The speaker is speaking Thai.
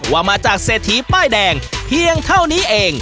ว่ามาจากเศรษฐีป้ายแดงเพียงเท่านี้เอง